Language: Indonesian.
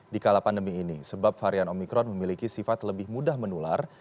di kala pandemi ini sebab varian omikron memiliki sifat lebih mudah menular